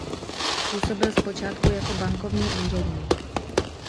Působil zpočátku jako bankovní úředník.